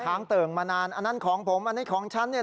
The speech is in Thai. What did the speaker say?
ค้างเต่งมานานอันนั้นของผมอันนี้ของฉัน